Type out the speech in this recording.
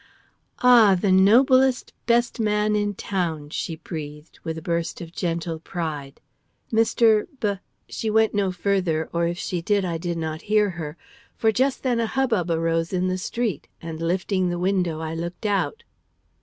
"Ah, the noblest, best man in town!" she breathed, with a burst of gentle pride. "Mr. B " She went no further, or if she did, I did not hear her, for just then a hubbub arose in the street, and lifting the window, I looked out.